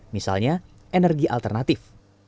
misalnya energi alternatif